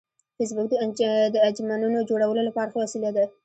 فېسبوک د انجمنونو جوړولو لپاره ښه وسیله ده